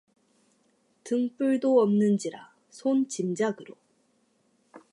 등불도 없는지라, 손짐작으로.